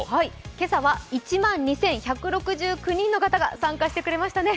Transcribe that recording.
今朝は１万２１６９人の方が参加してくれましたね。